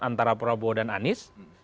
antara prabowo dan anies